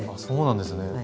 そうなんですね